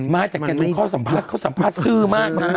มาจากแกดีโทษข้อสัมภัสตร์